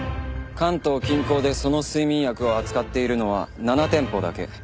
関東近郊でその睡眠薬を扱っているのは７店舗だけ。